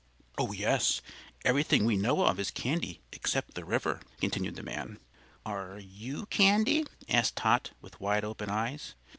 "Oh yes; everything we know of is candy except the river," continued the man. "Are you candy?" asked Tot, with wide open eyes.